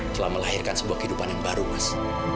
telah melahirkan sebuah kehidupan yang baru mas